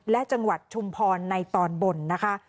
และจังหวัดชุมพรในตอนบนนะคะ